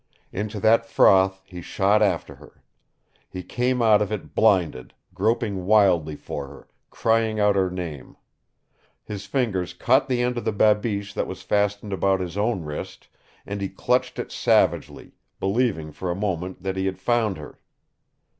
Into that froth he shot after her. He came out of it blinded, groping wildly for her, crying out her name. His fingers caught the end of the babiche that was fastened about his own wrist, and he clutched it savagely, believing for a moment that he had found her.